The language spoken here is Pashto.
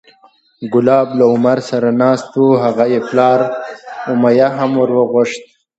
کلاب له عمر سره ناست و هغه یې پلار امیة هم وورغوښت،